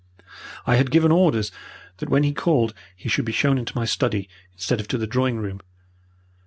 I had given orders that when he called he should be shown into my study instead of to the drawing room.